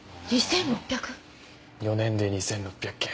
４年で２６００件。